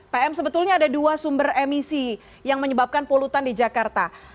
pm sebetulnya ada dua sumber emisi yang menyebabkan polutan di jakarta